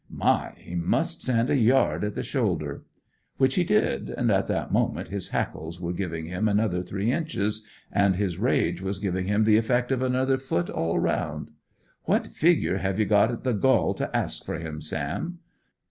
My! He must stand a yard at the shoulder." Which he did, and at that moment his hackles were giving him another three inches, and his rage was giving him the effect of another foot all round. "What figure have you got the gall to ask for him, Sam?"